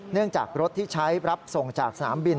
เนื่องจากรถที่ใช้รับส่งจากสนามบิน